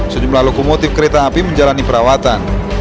sejumlah lokomotif kereta api menjalani perawatan